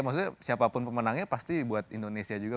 maksudnya siapapun pemenangnya pasti buat indonesia juga